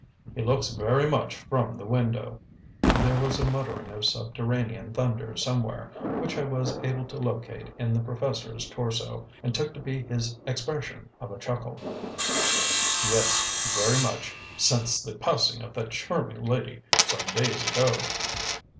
He looks very much from the window" there was a muttering of subterranean thunder somewhere, which I was able to locate in the professor's torso, and took to be his expression of a chuckle "yes, very much, since the passing of that charming lady some days ago."